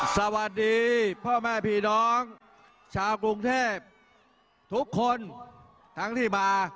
สวัสดีพ่อแม่พี่น้องชาวกรุงเทพทุกคนทั้งที่มา